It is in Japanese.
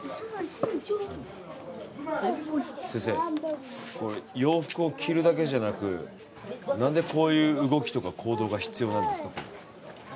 先生洋服を着るだけじゃなく何でこういう動きとか行動が必要なんですか？